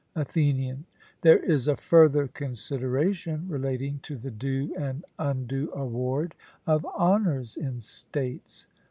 ATHENIAN: There is a further consideration relating to the due and undue award of honours in states.